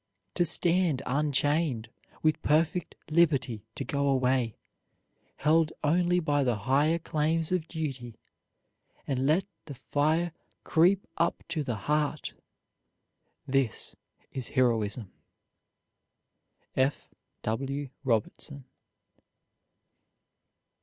To stand unchained, with perfect liberty to go away, held only by the higher claims of duty, and let the fire creep up to the heart, this is heroism. F. W. ROBERTSON.